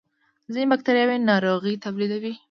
ځینې بکتریاوې ناروغۍ تولیدوي